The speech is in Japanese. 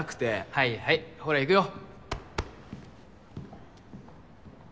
はいはいほら行くよ。